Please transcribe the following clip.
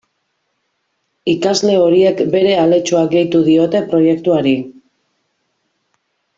Ikasle horiek bere aletxoa gehitu diote proiektuari.